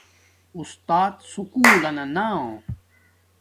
اُستات سکُول لنا نا